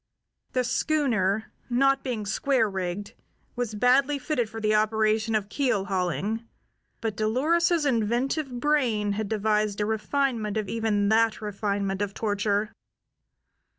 The schooner, not being square rigged, was badly fitted for the operation of keel hauling; but Dolores's inventive brain had devised a refinement of even that refinement of torture.